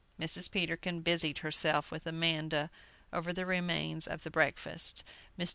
Mrs. Peterkin busied herself with Amanda over the remains of the breakfast. Mr.